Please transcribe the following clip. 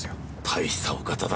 たいしたお方だ。